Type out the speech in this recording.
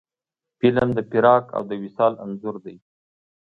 فلم د فراق او وصال انځور دی